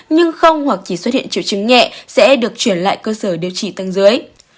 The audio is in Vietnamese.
nhưng không hoặc chỉ xuất hiện triệu chứng nhẹ sẽ được chuyển lại cơ sở điều trị tăng dưới